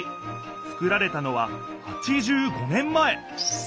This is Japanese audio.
つくられたのは８５年前。